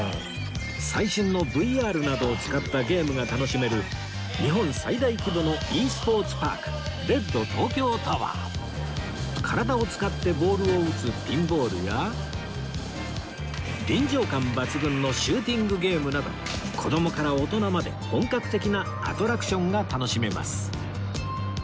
最新の ＶＲ などを使ったゲームが楽しめる日本最大規模の ｅ スポーツパーク体を使ってボールを打つピンボールや臨場感抜群のシューティングゲームなど子どもから大人まで本格的なアトラクションが楽しめます